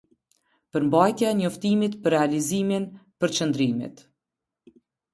Përmbajtja e Njoftimit për Ralizimin Përqendrimit.